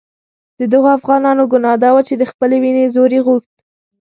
د دغو افغانانو ګناه دا وه چې د خپلې وینې زور یې غوښت.